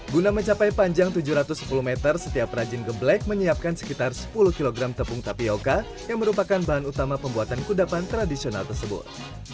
guna mencapai panjang tujuh ratus sepuluh meter setiap rajin geblek menyiapkan sekitar sepuluh kg tepung tapioca yang merupakan bahan utama pembuatan kudapan tradisional tersebut